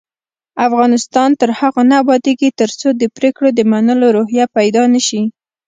افغانستان تر هغو نه ابادیږي، ترڅو د پریکړو د منلو روحیه پیدا نشي.